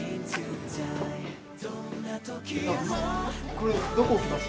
これどこ置きます？